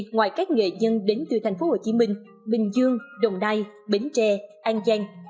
ngoài các nghệ nhân đến từ tp hcm bình dương đồng nai bến tre an giang